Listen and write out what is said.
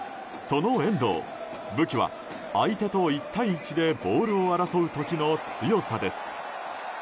その遠藤、武器は相手と１対１でボールを争う時の強さです。